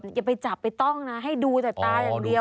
อย่าไปจับไปต้องนะให้ดูแต่ตาอย่างเดียว